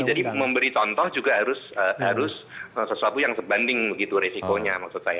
jadi memberi contoh juga harus sesuatu yang sebanding risikonya